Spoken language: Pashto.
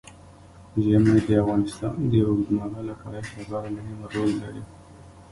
ژمی د افغانستان د اوږدمهاله پایښت لپاره مهم رول لري.